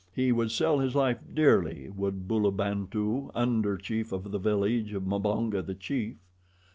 He would sell his life dearly, would Bulabantu, under chief of the village of Mbonga, the chief.